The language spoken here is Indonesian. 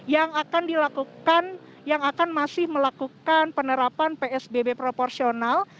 yang akan dilakukan yang akan masih melakukan penerapan psbb proporsional